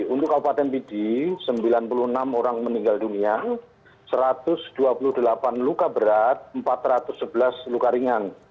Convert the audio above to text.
untuk kabupaten pidi sembilan puluh enam orang meninggal dunia satu ratus dua puluh delapan luka berat empat ratus sebelas luka ringan